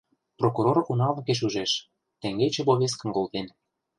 Прокурор «уналыкеш» ӱжеш: теҥгече повесткым колтен.